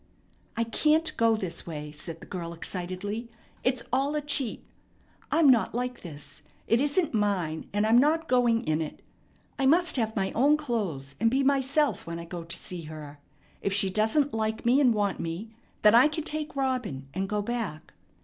"I can't go this way," said the girl excitedly. "It's all a cheat. I'm not like this. It isn't mine, and I'm not going in it. I must have my own clothes and be myself when I go to see her. If she doesn't like me and want me, then I can take Robin and go back."